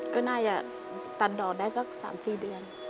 ผมน่าจะค้มแต่ดอกได้แรงก็สามสี่เดือน